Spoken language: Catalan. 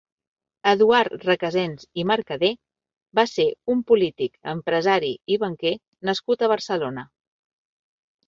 Eduard Recasens i Mercadé va ser un polític, empresari i banquer nascut a Barcelona.